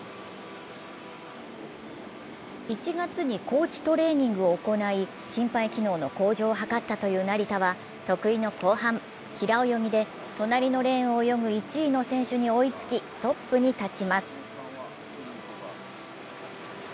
１月に高地トレーニングを行い、心肺機能の向上を図ったという成田は得意の後半、平泳ぎで隣のレーンを泳ぐ１位の選手に追いつき、トップに立ちます。